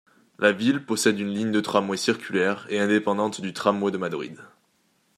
La ville possède une ligne de tramway circulaire, et indépendante du Tramway de Madrid.